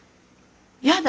やだ